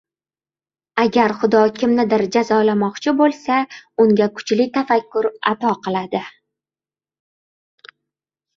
• Agar Xudo kimnidir jazolamoqchi bo‘lsa, unga kuchli tafakkur ato qiladi.